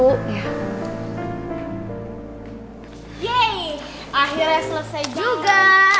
yeay akhirnya selesai juga